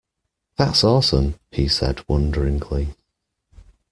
That’s awesome, he said wonderingly.